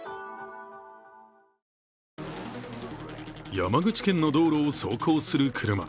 山口県の道路を走行する車。